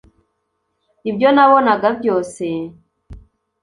ibyo nabonaga byose